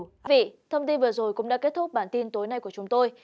thưa quý vị thông tin vừa rồi cũng đã kết thúc bản tin tối nay của chúng tôi